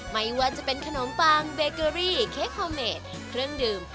ไม่ว่าจะเป็นขนมปังเบเกอรี่เค้กโฮเมดเครื่องดื่ม